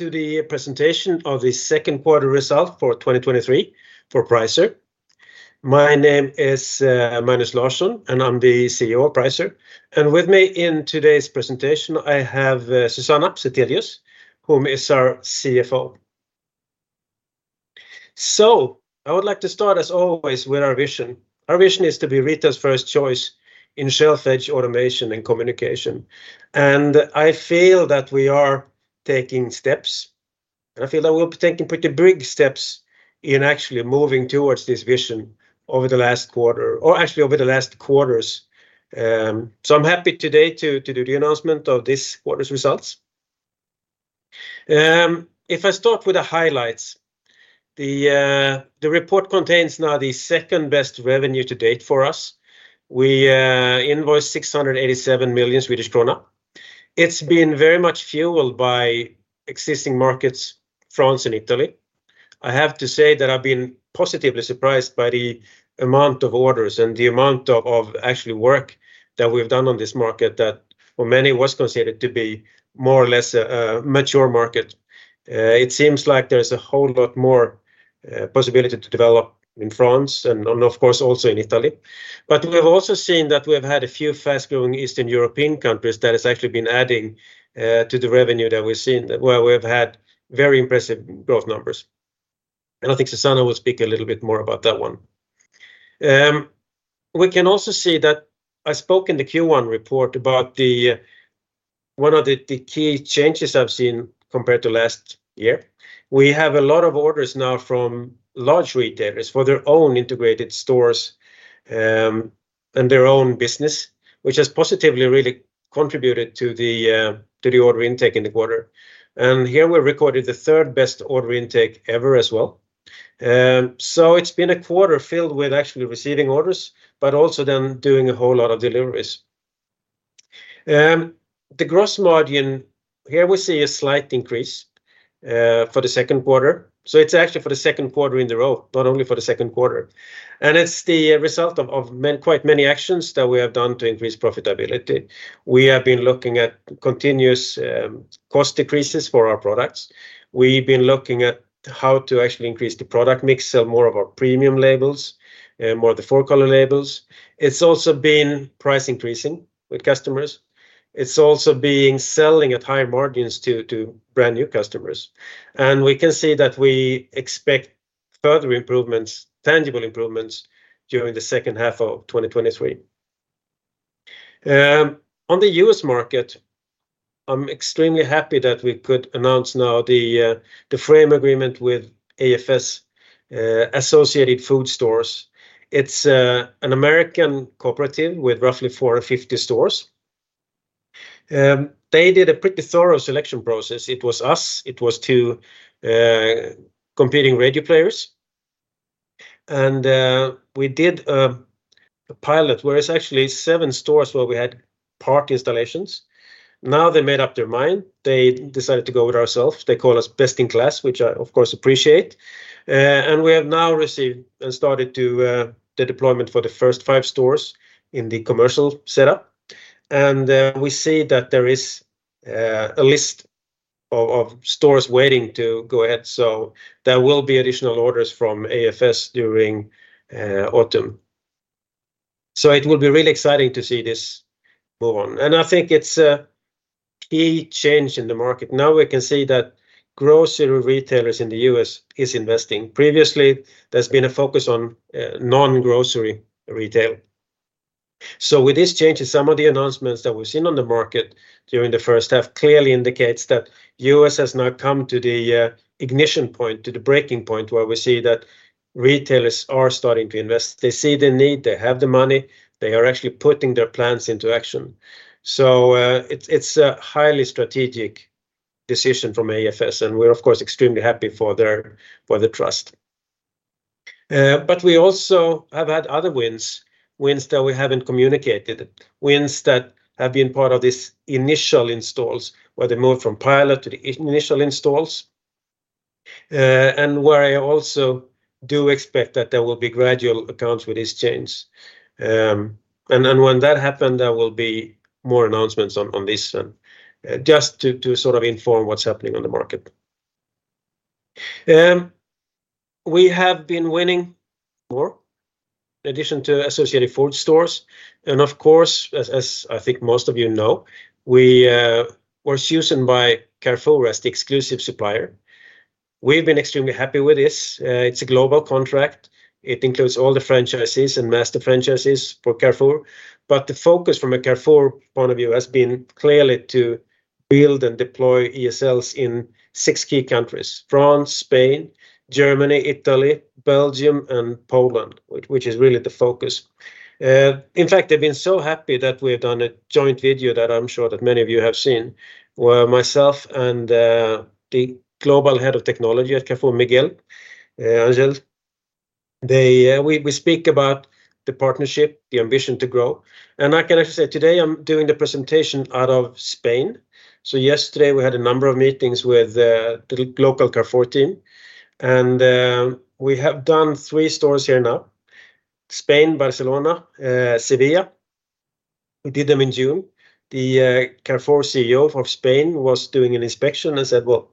to the presentation of the second quarter result for 2023 for Pricer. My name is Magnus Larsson, and I'm the CEO of Pricer, and with me in today's presentation, I have Susanna Zethelius, whom is our CFO. I would like to start, as always, with our vision. Our vision is to be retailers' first choice in shelf-edge automation and communication, and I feel that we are taking steps, and I feel that we're taking pretty big steps in actually moving towards this vision over the last quarter, or actually over the last quarters. I'm happy today to do the announcement of this quarter's results. If I start with the highlights, the report contains now the second-best revenue to date for us. We invoiced 687 million Swedish krona. It's been very much fueled by existing markets, France and Italy. I have to say that I've been positively surprised by the amount of orders and the amount of actually work that we've done on this market, that for many, was considered to be more or less a mature market. It seems like there's a whole lot more possibility to develop in France and on, of course, also in Italy. We have also seen that we have had a few fast-growing Eastern European countries that has actually been adding to the revenue that we've seen, where we've had very impressive growth numbers, and I think Susanna will speak a little bit more about that one. We can also see that I spoke in the Q1 report about one of the key changes I've seen compared to last year. We have a lot of orders now from large retailers for their own integrated stores, and their own business, which has positively really contributed to the order intake in the quarter. Here we recorded the third-best order intake ever as well. It's been a quarter filled with actually receiving orders, but also then doing a whole lot of deliveries. The gross margin, here we see a slight increase for the second quarter, so it's actually for the second quarter in the row, not only for the second quarter, and it's the result of quite many actions that we have done to increase profitability. We have been looking at continuous cost decreases for our products. We've been looking at how to actually increase the product mix, sell more of our premium labels, more of the four-color labels. It's also been price increasing with customers. It's also been selling at higher margins to brand-new customers. We can see that we expect further improvements, tangible improvements, during the second half of 2023. On the US market, I'm extremely happy that we could announce now the frame agreement with AFS, Associated Food Stores. It's an American cooperative with roughly 450 stores. They did a pretty thorough selection process. It was us, it was 2 competing radio players, and we did a pilot, where it's actually 7 stores where we had part installations. Now, they made up their mind. They decided to go with ourselves. They call us best-in-class, which I, of course, appreciate. We have now received and started the deployment for the first 5 stores in the commercial setup, we see that there is a list of stores waiting to go ahead. There will be additional orders from AFS during autumn. It will be really exciting to see this move on, and I think it's a key change in the market. Now we can see that grocery retailers in the US is investing. Previously, there's been a focus on non-grocery retail. With this change in some of the announcements that we've seen on the market during the first half, clearly indicates that US has now come to the ignition point, to the breaking point, where we see that retailers are starting to invest. They see the need, they have the money. They are actually putting their plans into action. It's a highly strategic decision from AFS, and we're, of course, extremely happy for their, for the trust. We also have had other wins that we haven't communicated, wins that have been part of this initial installs, where they moved from pilot to the initial installs, and where I also do expect that there will be gradual accounts with these chains. When that happen, there will be more announcements on this, just to sort of inform what's happening on the market. We have been winning more in addition to Associated Food Stores, of course, as I think most of you know, we were chosen by Carrefour as the exclusive supplier. We've been extremely happy with this. It's a global contract. It includes all the franchises and master franchises for Carrefour. The focus from a Carrefour point of view has been clearly to build and deploy ESLs in six key countries, France, Spain, Germany, Italy, Belgium, and Poland, which is really the focus. In fact, they've been so happy that we've done a joint video that I'm sure that many of you have seen, where myself and the global head of technology at Carrefour, Miguel Angel. We speak about the partnership, the ambition to grow, and I can actually say, today I'm doing the presentation out of Spain. Yesterday, we had a number of meetings with the local Carrefour team, and we have done three stores here now, Spain, Barcelona, Sevilla. We did them in June. The Carrefour CEO of Spain was doing an inspection and said, "Well,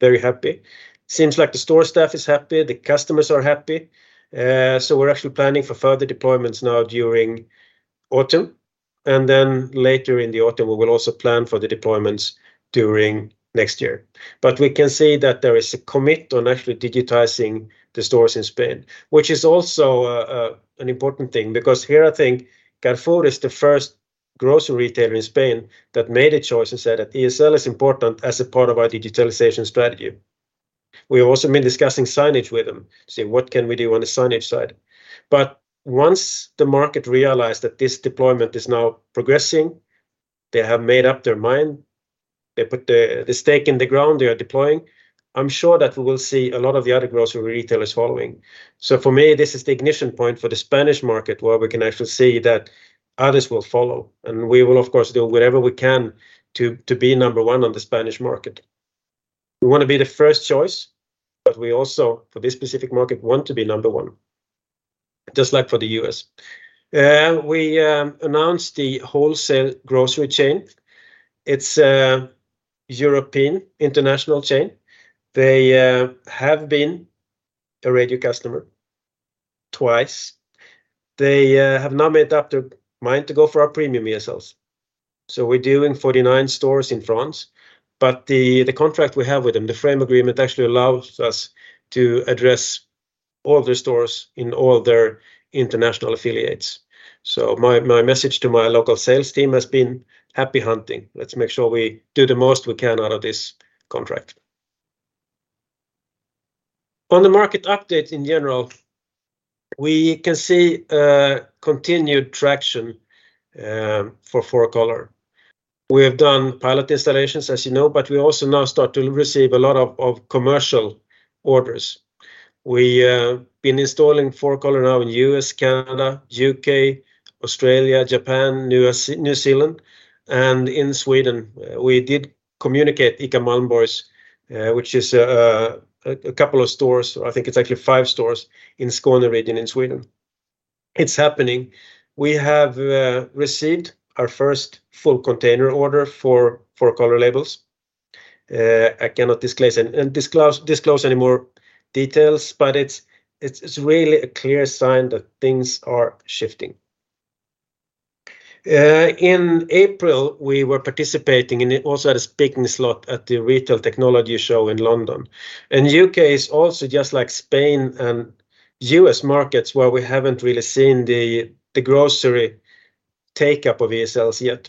very happy. Seems like the store staff is happy, the customers are happy." We're actually planning for further deployments now during autumn, and then later in the autumn, we will also plan for the deployments during next year. We can see that there is a commit on actually digitizing the stores in Spain, which is also an important thing, because here I think Carrefour is the first grocery retailer in Spain that made a choice and said that ESL is important as a part of our digitalization strategy. We have also been discussing signage with them to see what can we do on the signage side. Once the market realized that this deployment is now progressing, they have made up their mind. They put the stake in the ground, they are deploying. I'm sure that we will see a lot of the other grocery retailers following. For me, this is the ignition point for the Spanish market, where we can actually see that others will follow, and we will, of course, do whatever we can to be number one on the Spanish market. We wanna be the first choice, but we also, for this specific market, want to be number one, just like for the US We announced the wholesale grocery chain. It's a European international chain. They have been a Radio customer twice. They have now made up their mind to go for our premium ESLs. We're doing 49 stores in France, but the contract we have with them, the frame agreement actually allows us to address all their stores in all their international affiliates. My message to my local sales team has been, "Happy hunting. Let's make sure we do the most we can out of this contract." On the market update in general, we can see continued traction for 4Color. We have done pilot installations, as you know, but we also now start to receive a lot of commercial orders. We been installing 4Color now in US, Canada, U.K., Australia, Japan, New Zealand, and in Sweden. We did communicate ICA Malmborgs, which is a couple of stores, I think it's actually 5 stores, in Skåne region in Sweden. It's happening. We have received our first full container order for 4Color labels. I cannot disclose any more details, but it's, it's really a clear sign that things are shifting. In April, we were participating, and also had a speaking slot, at the Retail Technology Show in London. U.K. is also just like Spain and US markets, where we haven't really seen the grocery take-up of ESLs yet.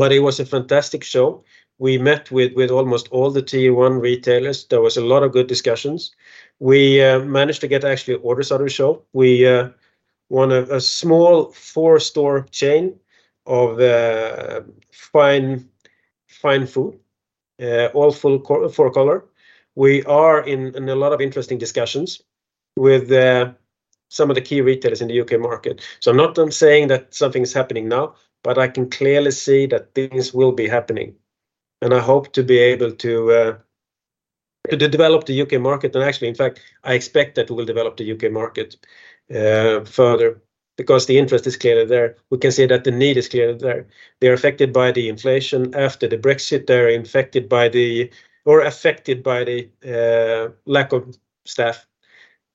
It was a fantastic show. We met with almost all the tier one retailers. There was a lot of good discussions. We managed to get actually orders out of the show. We won a small 4-store chain of fine food, all full 4Color. We are in a lot of interesting discussions with some of the key retailers in the U.K. market. I'm not done saying that something is happening now, but I can clearly see that things will be happening, and I hope to be able to develop the UK market. Actually, in fact, I expect that we will develop the UK market further, because the interest is clearly there. We can see that the need is clearly there. They're affected by the inflation after the Brexit. They're affected by the lack of staff,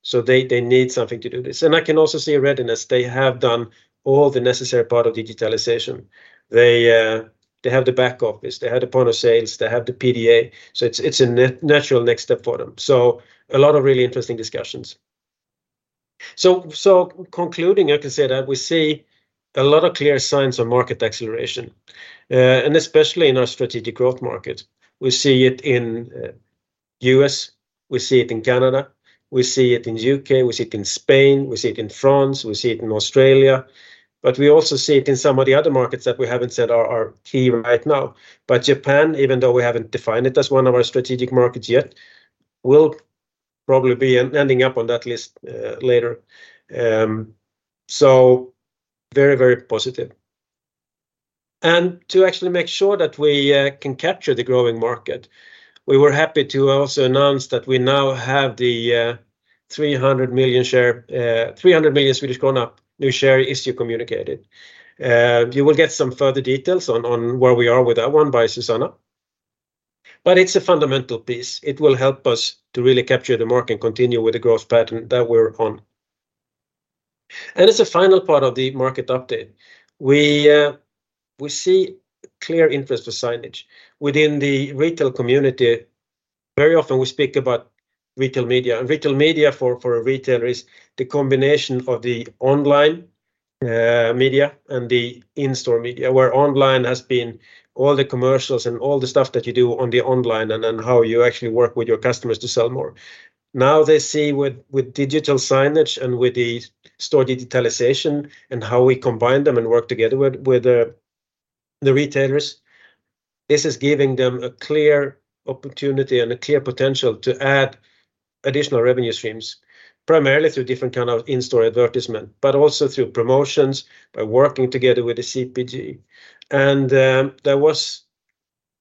so they need something to do this. I can also see a readiness. They have done all the necessary part of digitalization. They have the back office, they have the point of sales, they have the PDA, so it's a natural next step for them. A lot of really interesting discussions. Concluding, I can say that we see a lot of clear signs of market acceleration, and especially in our strategic growth market. We see it in US, we see it in Canada, we see it in U.K., we see it in Spain, we see it in France, we see it in Australia. We also see it in some of the other markets that we haven't said are key right now. Japan, even though we haven't defined it as one of our strategic markets yet, will probably be ending up on that list later. Very, very positive. To actually make sure that we can capture the growing market, we were happy to also announce that we now have the 300 million new share issue communicated. You will get some further details on where we are with that one by Susanna. It's a fundamental piece. It will help us to really capture the market and continue with the growth pattern that we're on. As a final part of the market update, we see clear interest for signage. Within the retail community, very often we speak about retail media, and retail media for a retailer is the combination of the online media and the in-store media, where online has been all the commercials and all the stuff that you do on the online and then how you actually work with your customers to sell more. They see with digital signage and with the store digitalization and how we combine them and work together with the retailers, this is giving them a clear opportunity and a clear potential to add additional revenue streams, primarily through different kind of in-store advertisement, but also through promotions, by working together with the CPG. A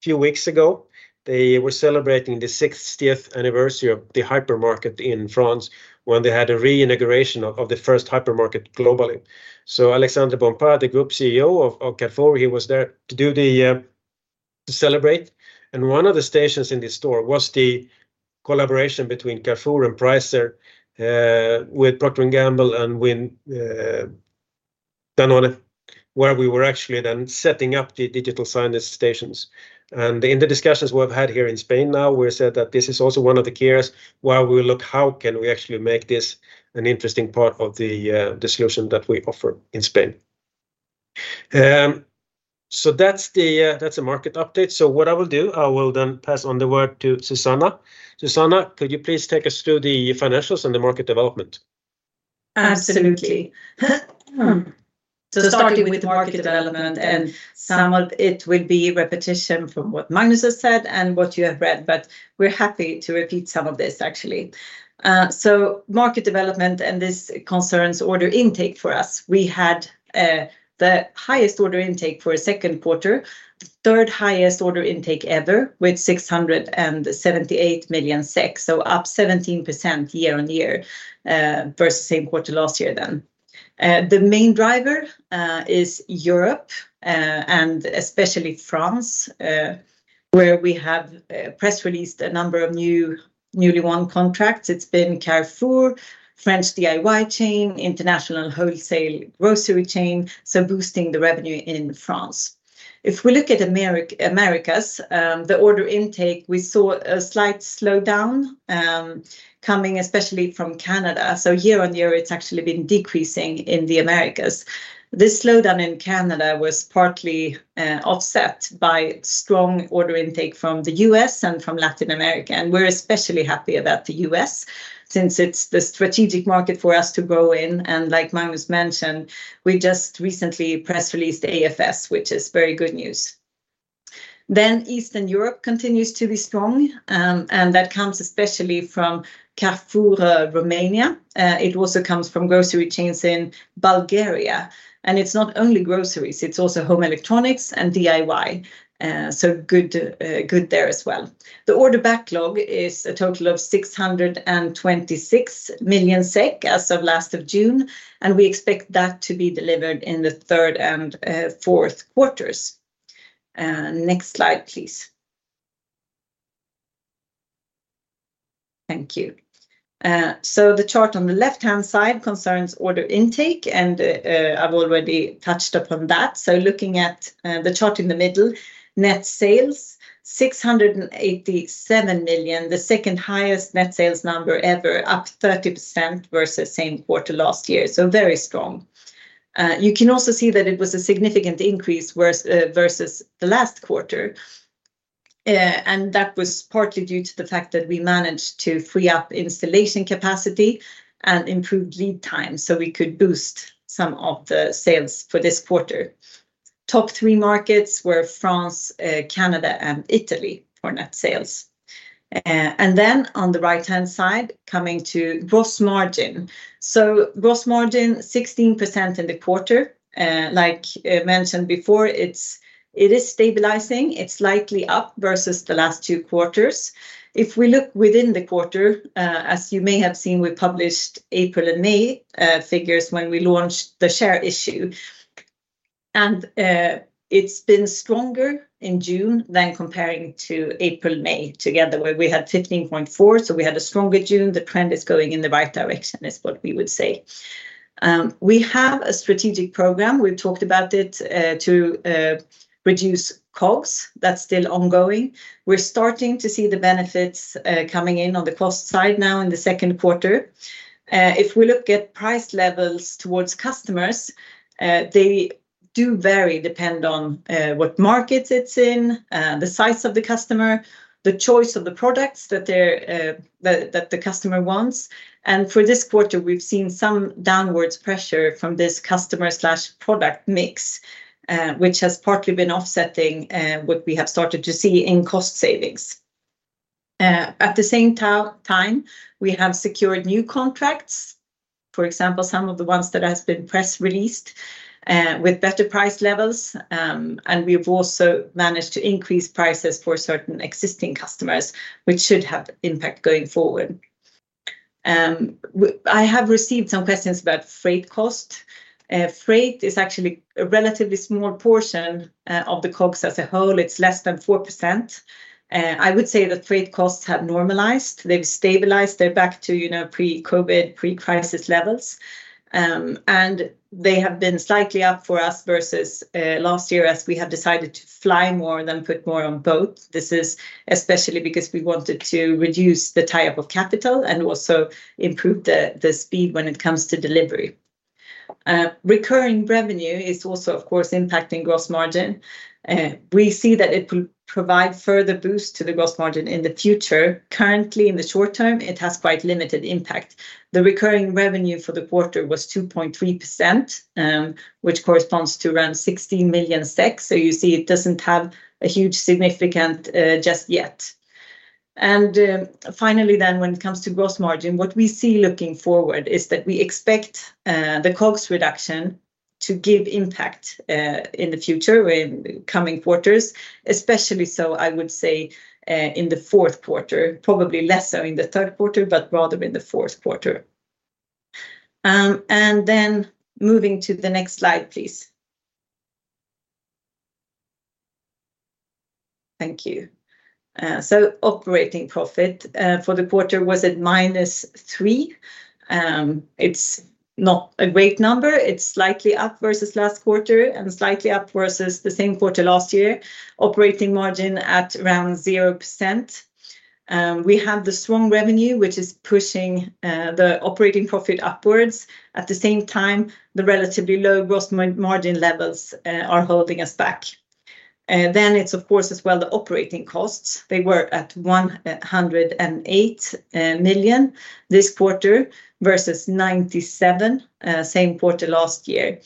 few weeks ago, they were celebrating the sixtieth anniversary of the hypermarket in France, when they had a reintegration of the first hypermarket globally. Alexandre Bompard, the group CEO of Carrefour, he was there to do the to celebrate, and one of the stations in the store was the collaboration between Carrefour and Pricer, with Procter & Gamble and with Danone, where we were actually then setting up the digital signage stations. In the discussions we've had here in Spain now, we said that this is also one of the gears where we look, how can we actually make this an interesting part of the solution that we offer in Spain? That's the market update. What I will do, I will then pass on the word to Susanna. Susanna, could you please take us through the financials and the market development? Absolutely. Starting with market development, and some of it will be repetition from what Magnus has said and what you have read, but we're happy to repeat some of this, actually. Market development, and this concerns order intake for us. We had the highest order intake for a second quarter, the third highest order intake ever, with 678 million, up 17% year-on-year versus same quarter last year then. The main driver is Europe, and especially France, where we have press released a number of newly won contracts. It's been Carrefour, French DIY chain, international wholesale grocery chain, boosting the revenue in France. If we look at Americas, the order intake, we saw a slight slowdown, coming especially from Canada. Year-on-year, it's actually been decreasing in the Americas. This slowdown in Canada was partly offset by strong order intake from the US and from Latin America, and we're especially happy about the US, since it's the strategic market for us to grow in, and like Magnus mentioned, we just recently press released AFS, which is very good news. Eastern Europe continues to be strong, and that comes especially from Carrefour, Romania. It also comes from grocery chains in Bulgaria, and it's not only groceries, it's also home electronics and DIY. Good there as well. The order backlog is a total of 626 million SEK as of last of June, and we expect that to be delivered in the third and fourth quarters. Next slide, please. Thank you. The chart on the left-hand side concerns order intake, and I've already touched upon that. Looking at the chart in the middle, net sales, 687 million, the second highest net sales number ever, up 30% versus same quarter last year, very strong. You can also see that it was a significant increase versus the last quarter, and that was partly due to the fact that we managed to free up installation capacity and improve lead time, so we could boost some of the sales for this quarter. Top three markets were France, Canada, and Italy for net sales. Then on the right-hand side, coming to gross margin. Gross margin, 16% in the quarter. Like mentioned before, it is stabilizing. It's slightly up versus the last two quarters. If we look within the quarter, as you may have seen, we published April and May figures when we launched the share issue, it's been stronger in June than comparing to April and May together, where we had 15.4, we had a stronger June. The trend is going in the right direction, is what we would say. We have a strategic program, we've talked about it, to reduce costs. That's still ongoing. We're starting to see the benefits coming in on the cost side now in the second quarter. If we look at price levels towards customers, they do vary, depend on what market it's in, the size of the customer, the choice of the products that they're that the customer wants. For this quarter, we've seen some downwards pressure from this customer/product mix, which has partly been offsetting what we have started to see in cost savings. At the same time, we have secured new contracts, for example, some of the ones that has been press released, with better price levels, and we've also managed to increase prices for certain existing customers, which should have impact going forward. I have received some questions about freight cost. Freight is actually a relatively small portion of the costs as a whole. It's less than 4%. I would say the freight costs have normalized. They've stabilized. They're back to, you know, pre-COVID, pre-crisis levels. They have been slightly up for us versus last year, as we have decided to fly more than put more on boats. This is especially because we wanted to reduce the tie-up of capital and also improve the speed when it comes to delivery. Recurring revenue is also, of course, impacting gross margin. We see that it will provide further boost to the gross margin in the future. Currently, in the short term, it has quite limited impact. The recurring revenue for the quarter was 2.3%, which corresponds to around 16 million, so you see it doesn't have a huge significant just yet. Finally, when it comes to gross margin, what we see looking forward is that we expect the costs to give impact in the future, in coming quarters, especially so I would say in the fourth quarter, probably less so in the third quarter, but rather in the fourth quarter. Moving to the next slide, please. Thank you. Operating profit for the quarter was at minus 3 million. It's not a great number. It's slightly up versus last quarter and slightly up versus the same quarter last year. Operating margin at around 0%. We have the strong revenue, which is pushing the operating profit upwards. At the same time, the relatively low gross margin levels are holding us back. It's of course, as well, the operating costs. They were at 108 million this quarter versus 97 million same quarter last year.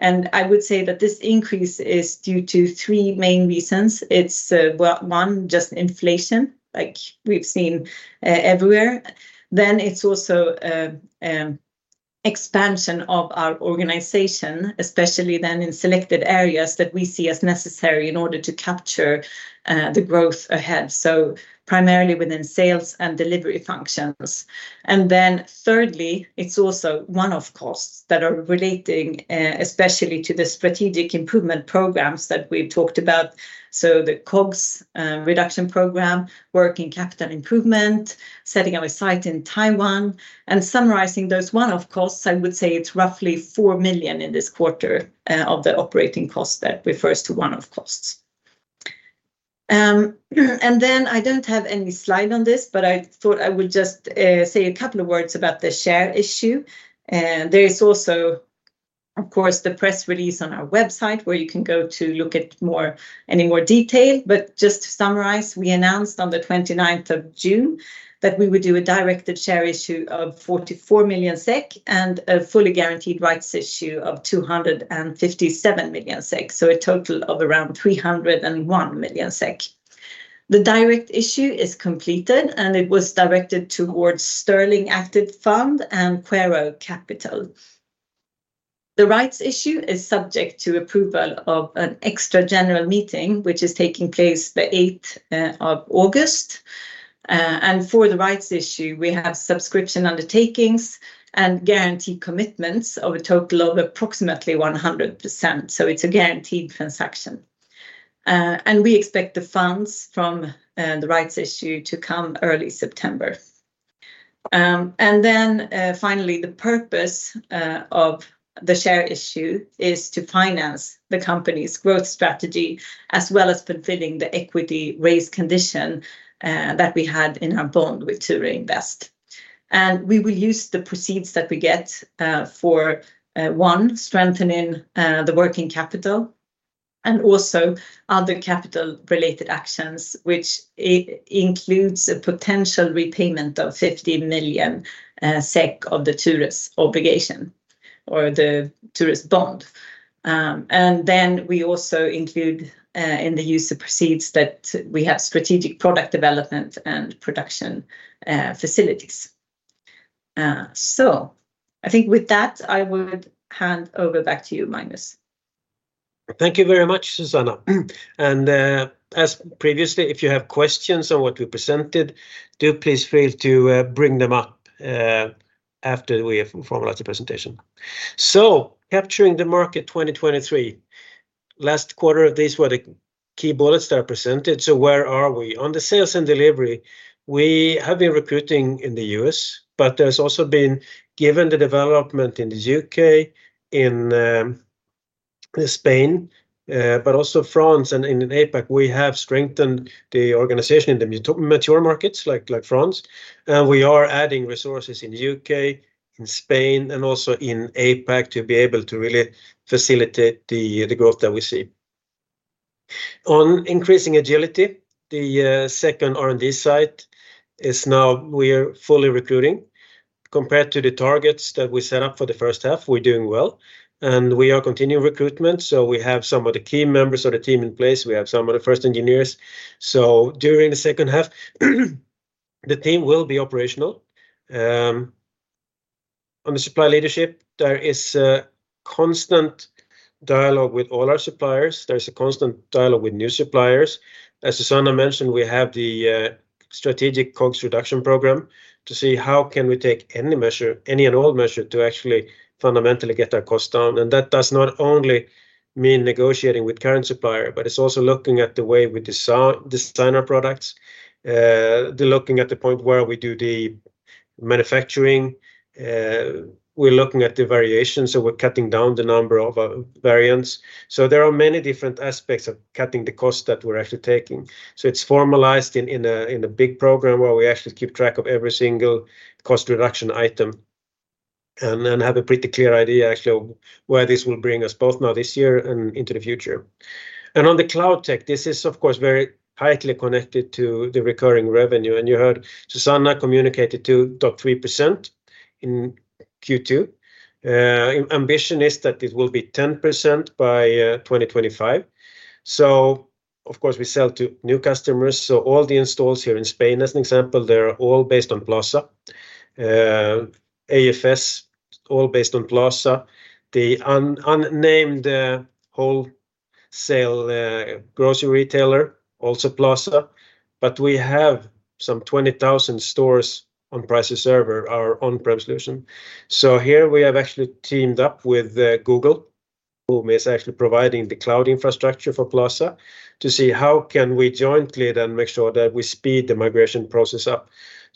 I would say that this increase is due to three main reasons. It's, well, one, just inflation, like we've seen everywhere. It's also expansion of our organization, especially then in selected areas that we see as necessary in order to capture the growth ahead, so primarily within sales and delivery functions. Thirdly, it's also one-off costs that are relating especially to the strategic improvement programs that we've talked about, so the COGS reduction program, working capital improvement, setting up a site in Taiwan. Summarizing those one-off costs, I would say it's roughly 4 million in this quarter of the operating cost that refers to one-off costs. I don't have any slide on this, but I thought I would just say a couple of words about the share issue. There is also, of course, the press release on our website, where you can go to look at more, any more detail. Just to summarize, we announced on the 29th of June that we would do a directed share issue of 44 million SEK and a fully guaranteed rights issue of 257 million SEK, so a total of around 301 million SEK. The direct issue is completed, and it was directed towards Sterling Active Fund and Quaero Capital. The rights issue is subject to approval of an extra general meeting, which is taking place the 8th of August. For the rights issue, we have subscription undertakings and guaranteed commitments of a total of approximately 100%, so it's a guaranteed transaction. We expect the funds from the rights issue to come early September. Finally, the purpose of the share issue is to finance the company's growth strategy, as well as fulfilling the equity raise condition that we had in our bond with Ture Invest. We will use the proceeds that we get for one, strengthening the working capital, and also other capital-related actions, which includes a potential repayment of 50 million SEK of the Ture's obligation or the Ture's bond. We also include in the use of proceeds that we have strategic product development and production facilities. I think with that, I would hand over back to you, Magnus. Thank you very much, Susanna. As previously, if you have questions on what we presented, do please feel to bring them up after we have formalized the presentation. Capturing the market 2023. Last quarter, these were the key bullets that are presented, where are we? On the sales and delivery, we have been recruiting in the US, but there's also been, given the development in the U.K., in Spain, but also France and in APAC, we have strengthened the organization in the mature markets like France. We are adding resources in the U.K., in Spain, and also in APAC to be able to really facilitate the growth that we see. On increasing agility, the second R&D site is now we're fully recruiting. Compared to the targets that we set up for the first half, we're doing well, and we are continuing recruitment, so we have some of the key members of the team in place. We have some of the first engineers. During the second half, the team will be operational. On the supply leadership, there is a constant dialogue with all our suppliers. There's a constant dialogue with new suppliers. As Susanna mentioned, we have the strategic COGS reduction program to see how can we take any measure, any and all measure, to actually fundamentally get our cost down, and that does not only mean negotiating with current supplier, but it's also looking at the way we design our products, looking at the point where we do the manufacturing. We're looking at the variation, so we're cutting down the number of variants. There are many different aspects of cutting the cost that we're actually taking. It's formalized in a big program where we actually keep track of every single cost reduction item and then have a pretty clear idea, actually, of where this will bring us, both now this year and into the future. On the cloud tech, this is, of course, very tightly connected to the recurring revenue, and you heard Susanna communicate it, too, top 3% in Q2. Ambition is that it will be 10% by 2025. Of course, we sell to new customers, so all the installs here in Spain, as an example, they're all based on Plaza. AFS, all based on Plaza. The unnamed wholesale grocery retailer, also Plaza. We have some 20,000 stores on Pricer Server, our on-prem solution. Here we have actually teamed up with Google, whom is actually providing the cloud infrastructure for Plaza, to see how can we jointly then make sure that we speed the migration process up.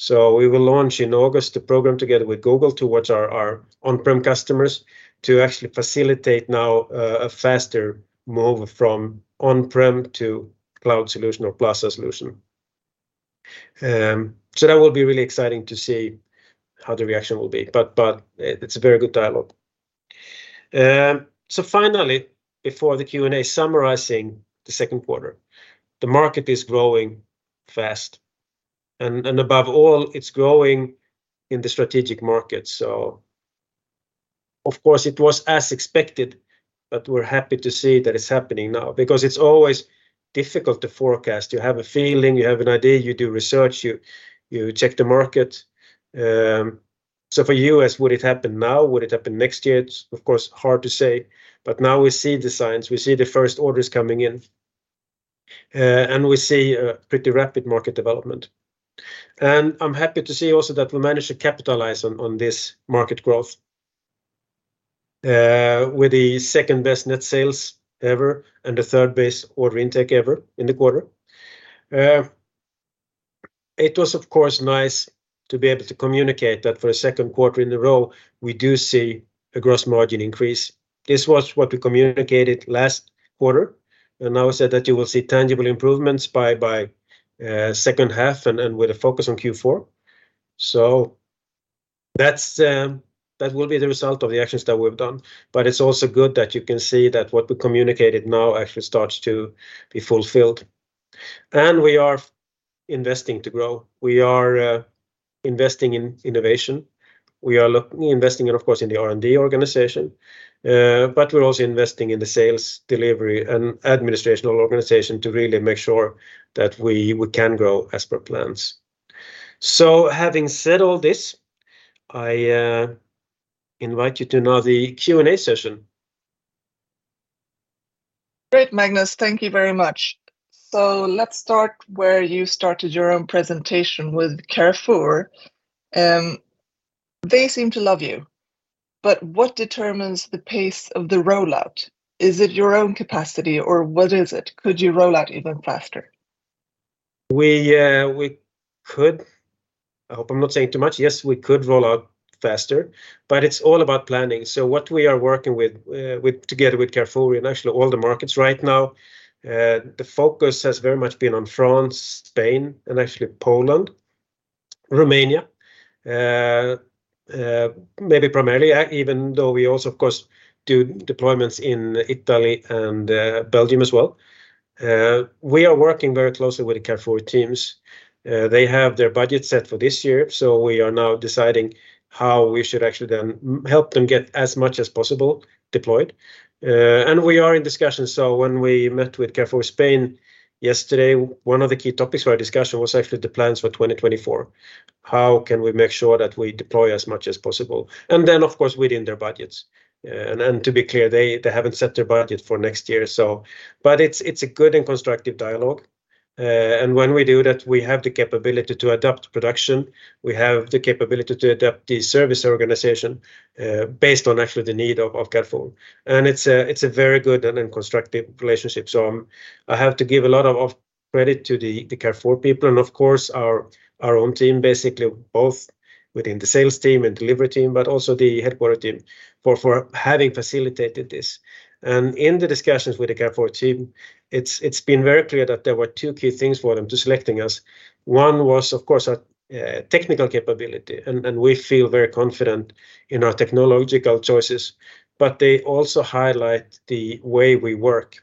We will launch in August, a program together with Google, towards our on-prem customers, to actually facilitate now a faster move from on-prem to cloud solution or Plaza solution. That will be really exciting to see how the reaction will be, but it's a very good dialogue. Finally, before the Q&A, summarizing the second quarter, the market is growing fast, and above all, it's growing in the strategic market. Of course, it was as expected, but we're happy to see that it's happening now, because it's always difficult to forecast. You have a feeling, you have an idea, you do research, you check the market. For us, would it happen now? Would it happen next year? It's of course hard to say, but now we see the signs, we see the first orders coming in, and we see a pretty rapid market development. I'm happy to see also that we managed to capitalize on this market growth with the second-best net sales ever and the third-best order intake ever in the quarter. It was of course nice to be able to communicate that for a second quarter in a row, we do see a gross margin increase. This was what we communicated last quarter, and I said that you will see tangible improvements by second half and with a focus on Q4. That's, that will be the result of the actions that we've done, but it's also good that you can see that what we communicated now actually starts to be fulfilled. We are investing to grow. We are investing in innovation. We are investing, of course, in the R&D organization, but we're also investing in the sales, delivery, and administrational organization to really make sure that we can grow as per plans. Having said all this, I invite you to now the Q&A session. Great, Magnus. Thank you very much. Let's start where you started your own presentation with Carrefour. They seem to love you, but what determines the pace of the rollout? Is it your own capacity, or what is it? Could you roll out even faster? We, we could. I hope I'm not saying too much. Yes, we could roll out faster, but it's all about planning. What we are working with together with Carrefour and actually all the markets right now, the focus has very much been on France, Spain, and actually Poland, Romania. Maybe primarily, even though we also, of course, do deployments in Italy and Belgium as well. We are working very closely with the Carrefour teams. They have their budget set for this year, so we are now deciding how we should actually then help them get as much as possible deployed. And we are in discussions, so when we met with Carrefour Spain yesterday, one of the key topics for our discussion was actually the plans for 2024. How can we make sure that we deploy as much as possible? Then, of course, within their budgets. And to be clear, they haven't set their budget for next year, so... It's a good and constructive dialogue, and when we do that, we have the capability to adapt production. We have the capability to adapt the service organization, based on actually the need of Carrefour. It's a very good and constructive relationship. I have to give a lot of credit to the Carrefour people and, of course, our own team, basically, both within the sales team and delivery team, but also the headquarter team, for having facilitated this. In the discussions with the Carrefour team, it's been very clear that there were two key things for them to selecting us. One was, of course, technical capability, and we feel very confident in our technological choices, but they also highlight the way we work.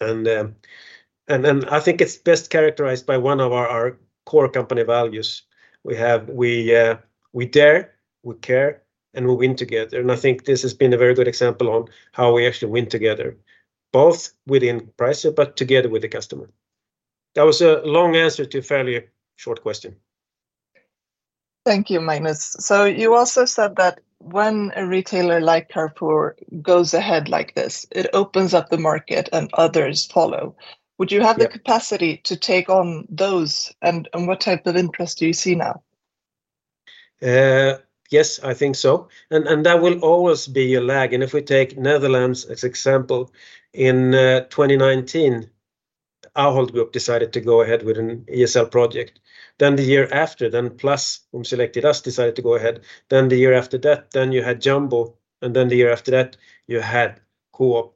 I think it's best characterized by one of our core company values. We dare, we care, and we win together. I think this has been a very good example on how we actually win together, both within Pricer, but together with the customer. That was a long answer to a fairly short question. Thank you, Magnus. You also said that when a retailer like Carrefour goes ahead like this, it opens up the market and others follow. Yeah. Would you have the capacity to take on those, and what type of interest do you see now? Yes, I think so. There will always be a lag, and if we take Netherlands as example, in 2019, Ahold Delhaize decided to go ahead with an ESL project. The year after, PLUS, whom selected us, decided to go ahead. The year after that, you had Jumbo. The year after that, you had Coop.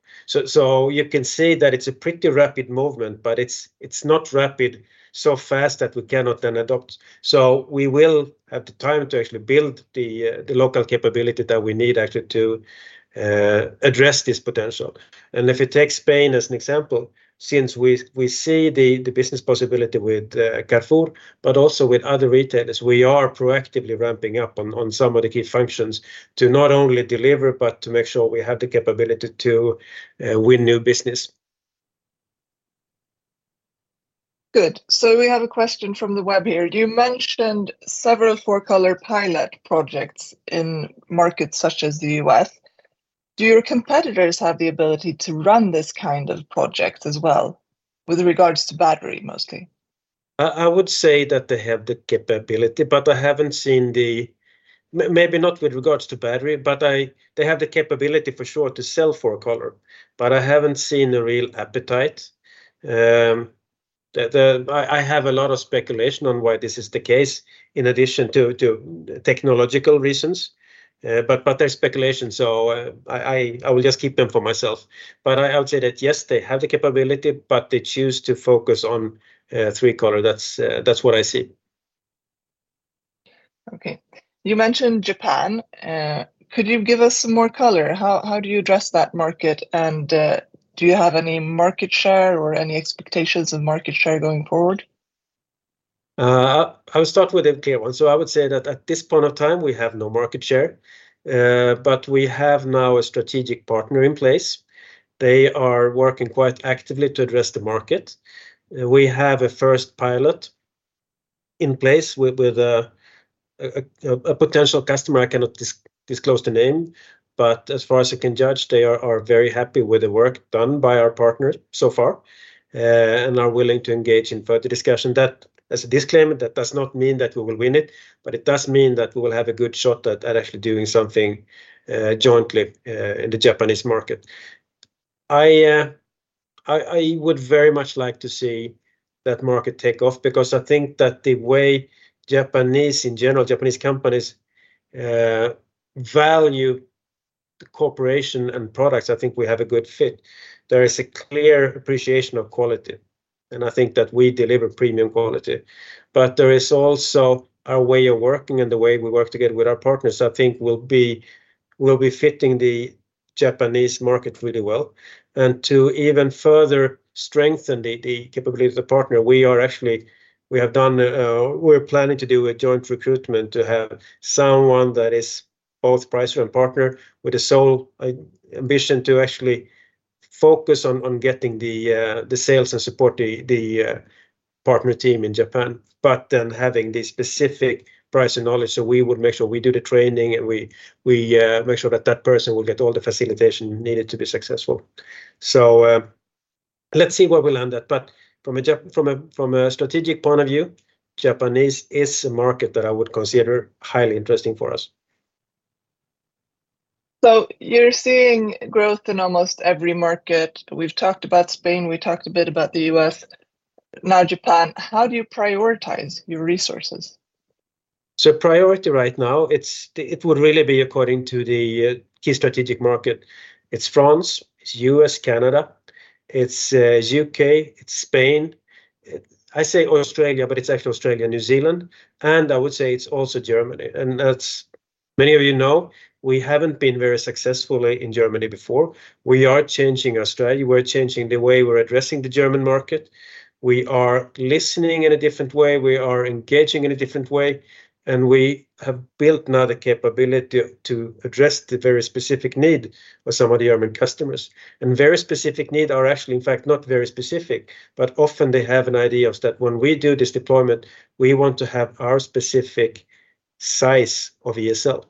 You can see that it's a pretty rapid movement, but it's not rapid so fast that we cannot adapt. We will have the time to actually build the local capability that we need, actually, to address this potential. If you take Spain as an example, since we see the business possibility with Carrefour, but also with other retailers, we are proactively ramping up on some of the key functions to not only deliver but to make sure we have the capability to win new business. Good. We have a question from the web here. You mentioned several four-color pilot projects in markets such as the US. Do your competitors have the ability to run this kind of project as well, with regards to battery mostly? I would say that they have the capability, but I haven't seen the. Maybe not with regards to battery, but they have the capability for sure to sell 4-color, but I haven't seen a real appetite. I have a lot of speculation on why this is the case, in addition to technological reasons. They're speculation, so I will just keep them for myself. I would say that, yes, they have the capability, but they choose to focus on 3-color. That's what I see. Okay. You mentioned Japan. Could you give us some more color? How do you address that market, and do you have any market share or any expectations of market share going forward? I would start with a clear one. I would say that at this point of time, we have no market share. We have now a strategic partner in place. They are working quite actively to address the market. We have a first pilot in place with a potential customer. I cannot disclose the name, but as far as I can judge, they are very happy with the work done by our partners so far, and are willing to engage in further discussion. As a disclaimer, that does not mean that we will win it, but it does mean that we will have a good shot at actually doing something jointly in the Japanese market. I would very much like to see that market take off, because I think that the way Japanese, in general, Japanese companies value the cooperation and products, I think we have a good fit. There is a clear appreciation of quality, and I think that we deliver premium quality. There is also our way of working and the way we work together with our partners, I think will be fitting the Japanese market really well. To even further strengthen the capability of the partner, we have done. We're planning to do a joint recruitment to have someone that is both Pricer and partner, with the sole ambition to actually focus on getting the sales and support the partner team in Japan, but then having the specific pricing knowledge. We would make sure we do the training, and we make sure that that person will get all the facilitation needed to be successful. Let's see where we'll end at. But from a strategic point of view, Japanese is a market that I would consider highly interesting for us. You're seeing growth in almost every market. We've talked about Spain, we talked a bit about the US, now Japan. How do you prioritize your resources? Priority right now, it's, it would really be according to the key strategic market. It's France, it's US, Canada, it's UK, it's Spain. I say Australia, but it's actually Australia and New Zealand, and I would say it's also Germany. As many of you know, we haven't been very successful in Germany before. We are changing our strategy. We're changing the way we're addressing the German market. We are listening in a different way, we are engaging in a different way, and we have built now the capability to address the very specific need of some of the German customers. Very specific need are actually, in fact, not very specific, but often they have an idea of that when we do this deployment, we want to have our specific size of ESL.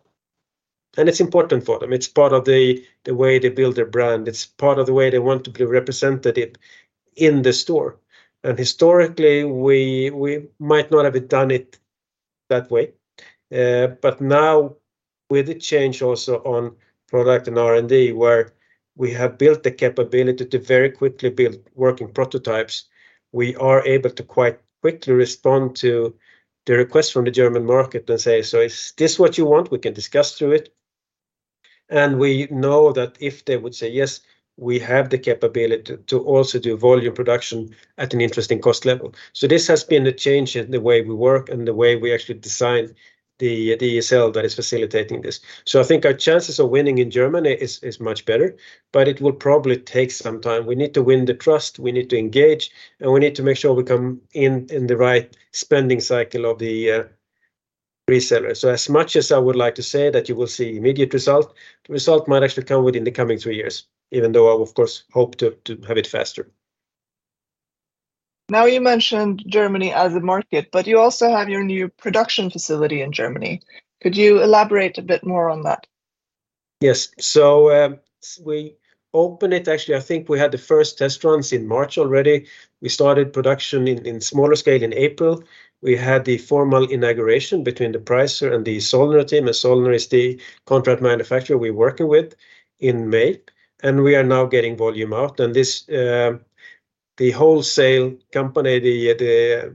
It's important for them. It's part of the way they build their brand. It's part of the way they want to be represented it in the store. Historically, we might not have done it that way, but now with the change also on product and R&D, where we have built the capability to very quickly build working prototypes, we are able to quite quickly respond to the request from the German market and say: "Is this what you want? We can discuss through it." We know that if they would say yes, we have the capability to also do volume production at an interesting cost level. This has been a change in the way we work and the way we actually design the ESL that is facilitating this. I think our chances of winning in Germany is much better, but it will probably take some time. We need to win the trust, we need to engage, and we need to make sure we come in the right spending cycle of the reseller. As much as I would like to say that you will see immediate result, the result might actually come within the coming three years, even though I, of course, hope to have it faster. You mentioned Germany as a market, but you also have your new production facility in Germany. Could you elaborate a bit more on that? Yes. Actually, I think we had the first test runs in March already. We started production in smaller scale in April. We had the formal inauguration between the Pricer and the Zollner team, and Zollner is the contract manufacturer we're working with, in May, and we are now getting volume out. This, the wholesale company, the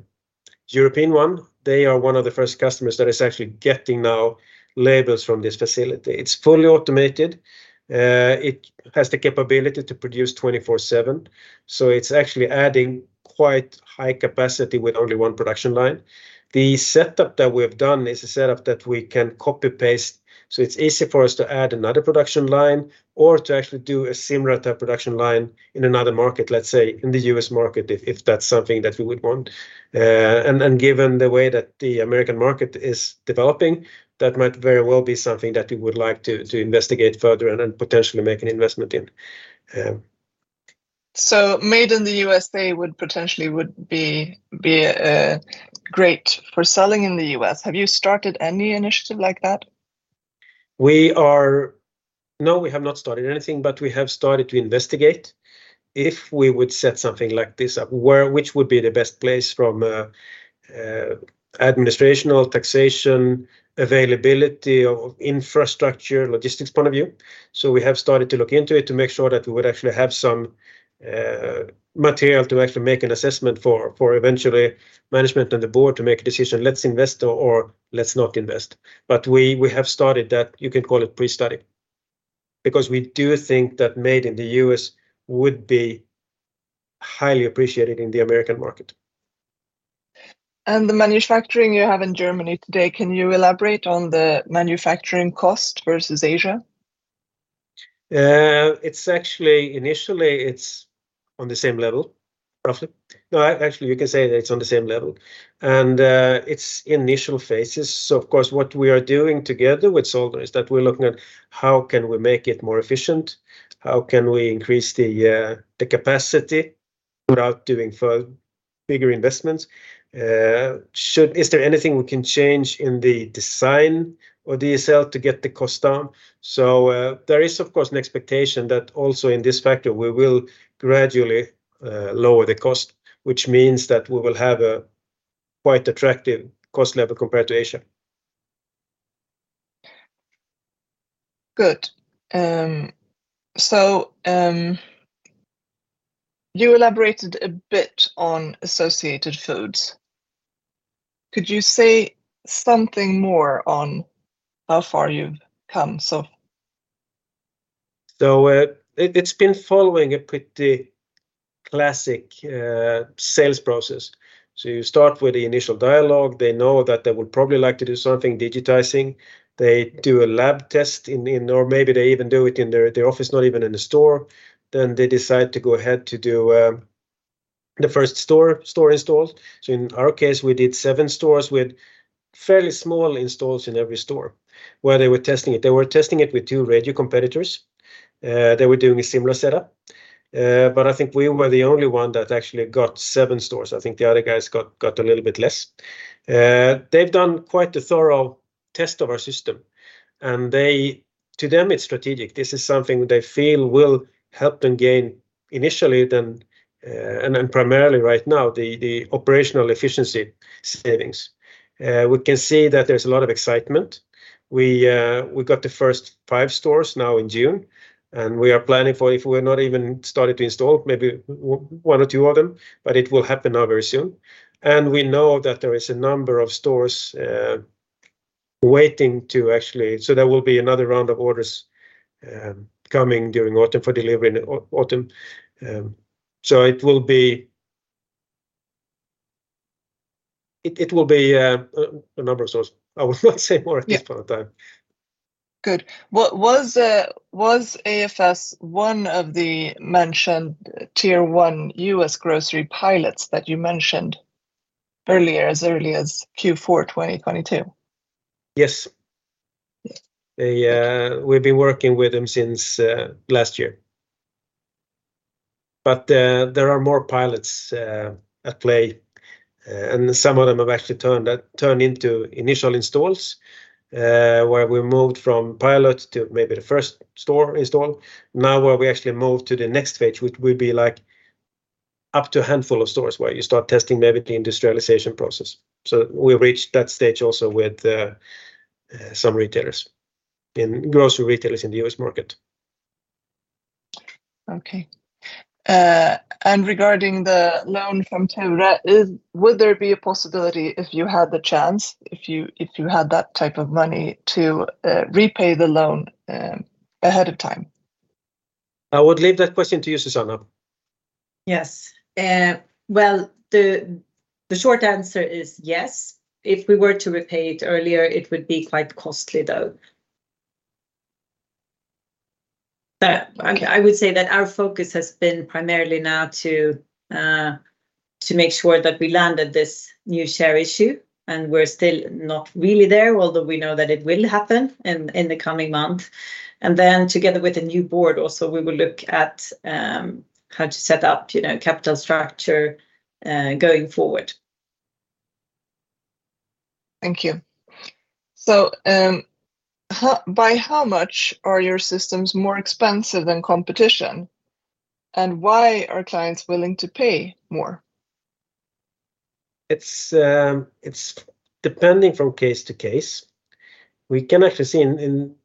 European one, they are one of the first customers that is actually getting now labels from this facility. It's fully automated. It has the capability to produce 24/7, so it's actually adding quite high capacity with only one production line. The setup that we have done is a setup that we can copy-paste. It's easy for us to add another production line or to actually do a similar type production line in another market, let's say in the US market, if that's something that we would want. Given the way that the American market is developing, that might very well be something that we would like to investigate further and potentially make an investment in. Made in the USA. would potentially be great for selling in the US Have you started any initiative like that? No, we have not started anything, but we have started to investigate. If we would set something like this up, which would be the best place from administrational, taxation, availability of infrastructure, logistics point of view. We have started to look into it to make sure that we would actually have some material to actually make an assessment for eventually management and the board to make a decision, let's invest or let's not invest. We have started that, you can call it pre-study, because we do think that made in the US would be highly appreciated in the American market. The manufacturing you have in Germany today, can you elaborate on the manufacturing cost versus Asia? It's actually, initially, it's on the same level, roughly. No, actually, you can say that it's on the same level. It's initial phases, so of course, what we are doing together with Zollner is that we're looking at how can we make it more efficient? How can we increase the capacity without doing bigger investments? Is there anything we can change in the design of DSL to get the cost down? There is, of course, an expectation that also in this factor, we will gradually lower the cost, which means that we will have a quite attractive cost level compared to Asia. Good. You elaborated a bit on Associated Food Stores. Could you say something more on how far you've come so? It's been following a pretty classic sales process. You start with the initial dialogue. They know that they would probably like to do something, digitizing. They do a lab test in, or maybe they even do it in their office, not even in the store. They decide to go ahead to do the first store installs. In our case, we did seven stores with fairly small installs in every store, where they were testing it. They were testing it with two radio competitors. They were doing a similar setup, but I think we were the only one that actually got seven stores. I think the other guys got a little bit less. They've done quite a thorough test of our system, and to them, it's strategic. This is something they feel will help them gain initially, then, and then primarily right now, the operational efficiency savings. We can see that there's a lot of excitement. We got the first 5 stores now in June. We are planning for, if we're not even started to install, maybe 1 or 2 of them, but it will happen now very soon. We know that there is a number of stores waiting to actually... There will be another round of orders coming during autumn for delivery in autumn. It will be, it will be a number of stores. I will not say more at this point of time. Good. Was AFS one of the mentioned Tier One US grocery pilots that you mentioned earlier, as early as Q4, 2022? Yes. Yes. We've been working with them since last year. There are more pilots at play, and some of them have actually turned into initial installs, where we moved from pilot to maybe the first store install. Where we actually move to the next phase, which will be, like, up to a handful of stores, where you start testing maybe the industrialization process. We reached that stage also with some retailers, in grocery retailers in the US market. Okay. Regarding the loan from Ture, would there be a possibility, if you had the chance, if you had that type of money, to repay the loan ahead of time? I would leave that question to you, Susanna. Yes. Well, the short answer is yes. If we were to repay it earlier, it would be quite costly, though. Okay I would say that our focus has been primarily now to make sure that we landed this new share issue, and we're still not really there, although we know that it will happen in the coming month. Then together with the new board also, we will look at, how to set up, you know, capital structure, going forward. Thank you. How, by how much are your systems more expensive than competition, and why are clients willing to pay more? It's depending from case to case. We can actually see in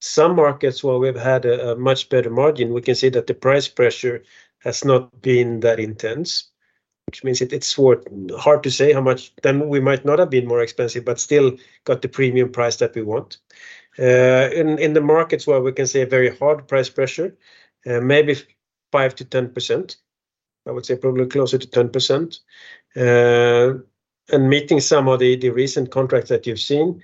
some markets where we've had a much better margin, we can see that the price pressure has not been that intense, which means it's hard to say how much. We might not have been more expensive, but still got the premium price that we want. In the markets where we can see a very hard price pressure, maybe 5%-10%. I would say probably closer to 10%. Meeting some of the recent contracts that you've seen,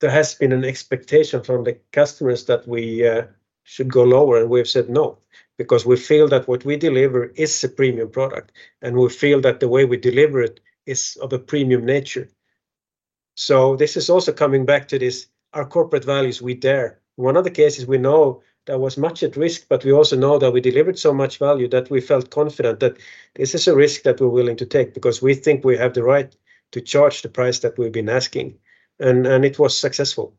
there has been an expectation from the customers that we should go lower, and we've said no, because we feel that what we deliver is a premium product, and we feel that the way we deliver it is of a premium nature. This is also coming back to this, our corporate values, we dare. One of the cases we know there was much at risk, but we also know that we delivered so much value, that we felt confident that this is a risk that we're willing to take, because we think we have the right to charge the price that we've been asking, and it was successful.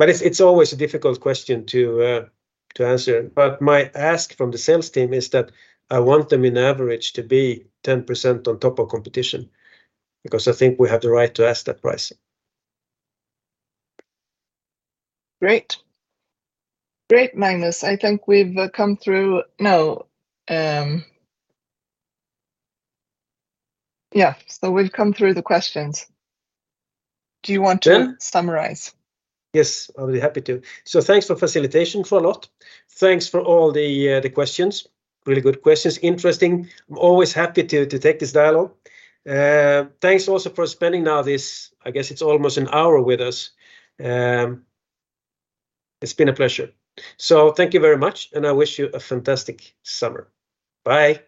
It's always a difficult question to answer. My ask from the sales team is that I want them in average, to be 10% on top of competition, because I think we have the right to ask that price. Great, Magnus, I think we've come through... No, yeah, we've come through the questions. Yeah summarize? Yes, I'll be happy to. Thanks for facilitation for a lot. Thanks for all the questions. Really good questions. Interesting. I'm always happy to take this dialogue. Thanks also for spending now this, I guess it's almost an hour with us. It's been a pleasure. Thank you very much, and I wish you a fantastic summer. Bye!